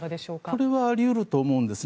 これはあり得ると思うんです。